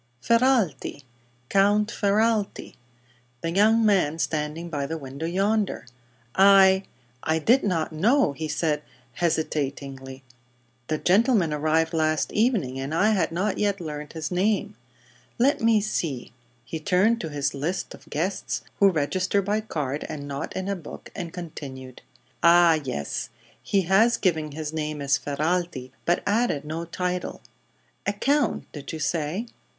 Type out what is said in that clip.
"Ferralti Count Ferralti. The young man standing by the window, yonder." "I I did not know," he said, hesitatingly. "The gentleman arrived last evening, and I had not yet learned his name. Let me see," he turned to his list of guests, who register by card and not in a book, and continued: "Ah, yes; he has given his name as Ferralti, but added no title. A count, did you say?"